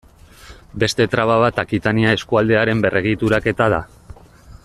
Beste traba bat Akitania eskualdearen berregituraketa da.